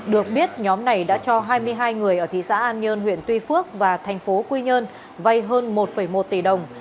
được biết nhóm này đã cho hai mươi hai người ở thị xã an nhơn huyện tuy phước và thành phố quy nhơn vay hơn một một tỷ đồng